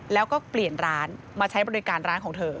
แล้วก็เปลี่ยนร้านมาใช้บริการร้านของเธอ